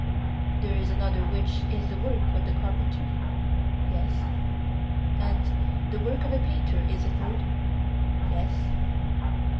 There is another which is the work of the carpenter? Yes. And the work of the painter is a third? Yes.